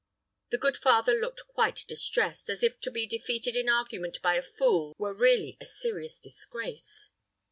The good father looked quite distressed, as if to be defeated in argument by a fool were really a serious disgrace.